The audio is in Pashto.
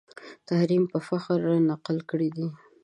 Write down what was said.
تحریم په فخر رانقل کړی دی